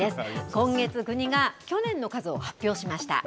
今月、国が、去年の数を発表しました。